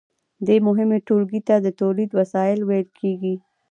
دې مهمې ټولګې ته د تولید وسایل ویل کیږي.